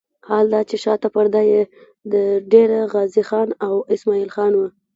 حال دا چې شاته پرده یې د ډېره غازي خان او اسماعیل خان وه.